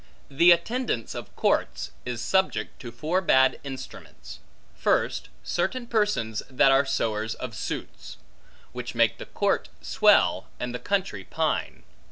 The attendance of courts, is subject to four bad instruments. First, certain persons that are sowers of suits; which make the court swell, and the country pine.